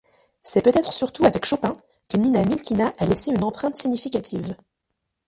C'est peut-être surtout avec Chopin que Nina Milkina a laissé une empreinte significative.